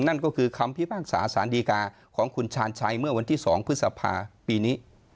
นั่นก็คือคำพิพากษาสารดีกาของคุณชาญชัยเมื่อวันที่๒พฤษภาปีนี้